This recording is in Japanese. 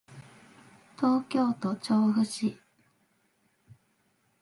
東京都調布市